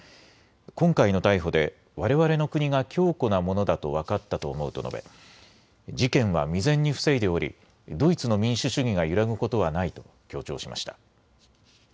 今回の逮捕でわれわれの国が強固なものだと分かったと思うと述べ、事件は未然に防いでおりドイツの民主主義が揺らぐことはないと強調しました。